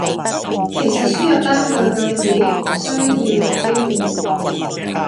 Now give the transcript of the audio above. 其實輸入單句句子唔需要入標點符號